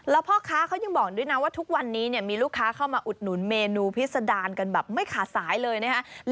แล้วพ่อค้าเขายังบอกด้วยนะว่าทุกวันนี้เนี่ยมีลูกค้าเข้ามาอุดหนุนเมนูพิษดารกันแบบไม่ขาดสายเลยนะครับ